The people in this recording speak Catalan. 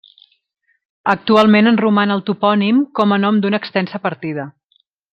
Actualment en roman el topònim com a nom d'una extensa partida.